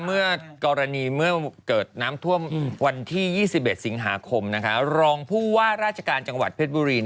เมื่อกรณีเมื่อเกิดน้ำท่วมวันที่๒๑สิงหาคมรองผู้ว่าราชการจังหวัดเพชรบุรี